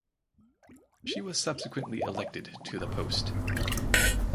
She was subsequently elected to the post.